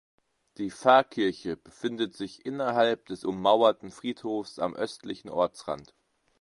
Die Pfarrkirche befindet sich innerhalb des ummauerten Friedhofs am östlichen Ortsrand.